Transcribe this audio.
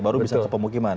baru bisa ke pemukiman